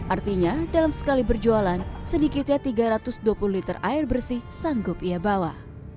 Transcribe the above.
artinya dalam sekali berjualan sedikitnya tiga ratus dua puluh liter air bersih sanggup ia bawa